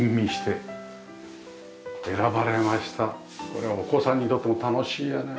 これはお子さんにとっても楽しいやね。